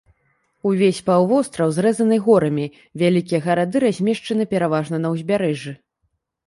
Увесь паўвостраў зрэзаны горамі, вялікія гарады размешчаны пераважна на ўзбярэжжы.